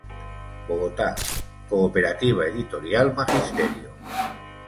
Bogotá: Cooperativa Editorial Magisterio.